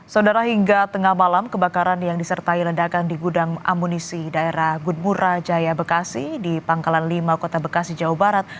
saudara hingga tengah malam kebakaran yang disertai ledakan di gudang amunisi daerah gudmura jaya bekasi di pangkalan lima kota bekasi jawa barat